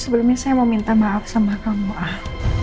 sebelumnya saya mau minta maaf sama kamu ah